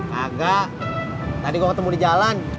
kagak tadi kalau ketemu di jalan